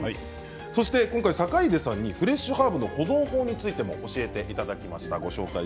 そして今回、坂出さんにフレッシュハーブの保存方法についても教えていただきました。